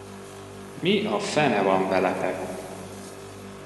Mi a fene van veletek?